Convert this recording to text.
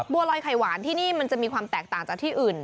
บัวลอยไข่หวานที่นี่มันจะมีความแตกต่างจากที่อื่น